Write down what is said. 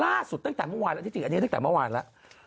ล่าศุดตั้งแต่เมื่อวานนะ